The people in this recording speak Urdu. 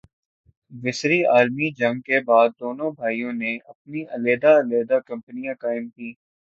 وسری عالمی جنگ کے بعد دونوں بھائیوں نے اپنی علیحدہ علیحدہ کمپنیاں قائم کیں-